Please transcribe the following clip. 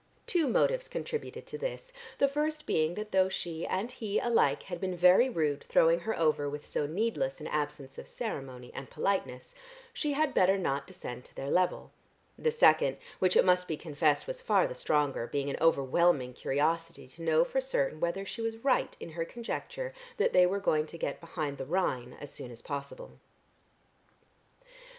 Two motives contributed to this, the first being that though she and he alike had been very rude throwing her over with so needless an absence of ceremony and politeness, she had better not descend to their level; the second, which it must be confessed was far the stronger, being an overwhelming curiosity to know for certain whether she was right in her conjecture that they were going to get behind the Rhine as soon as possible.